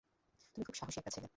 তুমি খুব সাহসী একটা ছেলে!